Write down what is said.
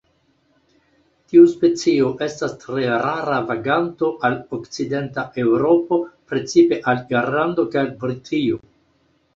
Tiu specio estas tre rara vaganto al okcidenta Eŭropo, precipe al Irlando kaj Britio.